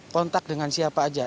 kontak dengan siapa saja